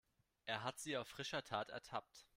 Er hat sie auf frischer Tat ertappt.